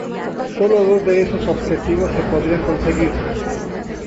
Solo dos de esos objetivos se podrían conseguir.